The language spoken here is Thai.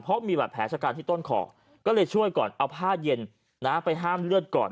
เพราะมีบาดแผลชะกันที่ต้นคอก็เลยช่วยก่อนเอาผ้าเย็นไปห้ามเลือดก่อน